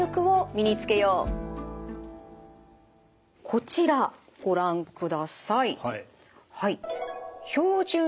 こちらご覧ください。